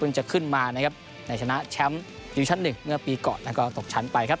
จะขึ้นมานะครับในชนะแชมป์ดิวิชั่นหนึ่งเมื่อปีก่อนแล้วก็ตกชั้นไปครับ